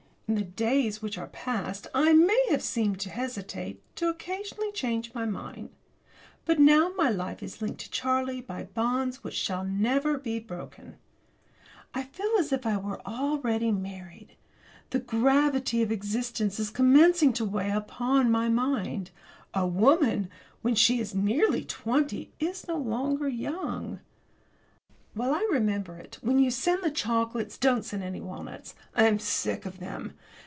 In the days which are past I may have seemed to hesitate, to occasionally have changed my mind. But now my life is linked to Charlie's by bonds which never shall be broken. I feel as if I were already married. The gravity of existence is commencing to weigh upon my mind. A woman when she is nearly twenty is no longer young. While I remember it, when you send the chocolates don't send any walnuts. I am sick of them.